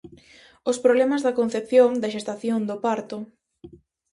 Os problemas da concepción, da xestación, do parto.